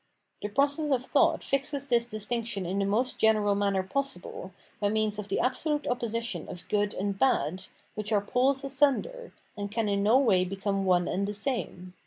The process of thought fixes this distinction m the most general manner possible, by means of the absolute opposition of "good" and "bad," which are poles asunder, and can in no way become one and the same.